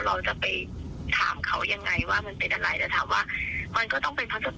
เราจะไปถามเขายังไงว่ามันเป็นอะไรแต่ถามว่ามันก็ต้องเป็นภาษา